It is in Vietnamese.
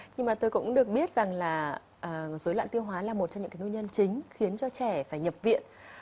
nhưng mà tôi cũng được biết rằng là dối loạn tiêu hóa là một trong những cái nguyên nhân chính khiến cho trẻ phải nhập viện